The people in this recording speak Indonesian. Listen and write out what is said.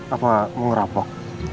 apa mau ngerapok